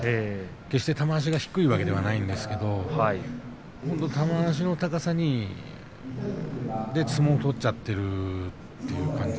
決して、玉鷲が低いわけではないんですけれど本当に玉鷲の高さで相撲を取っちゃっているという感じ。